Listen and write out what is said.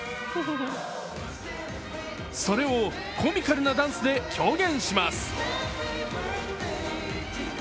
それをコミカルなダンスで表現します。